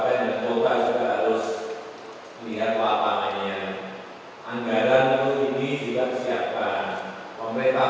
pemerintah pusat juga penyiapkan provinsi menyiapkan kabupaten menyiapkan